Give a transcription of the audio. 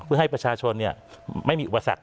เพื่อให้ประชาชนไม่มีอุปสรรค